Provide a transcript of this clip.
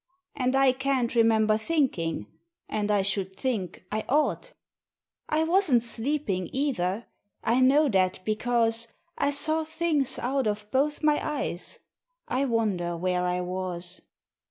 And I can't remember thinking; And I should think I ought. I wasn't sleeping, either: I know that, because I saw things out of both my eyes. I wonder where I was.